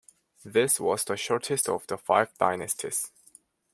This was the shortest of the five dynasties.